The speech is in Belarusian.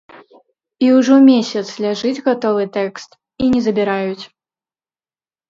І ўжо месяц ляжыць гатовы тэкст і не забіраюць.